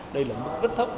đây là mức rất thấp